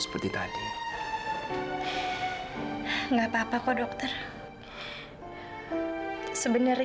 janganlah zafur ini memang menyayangi saya banget fatah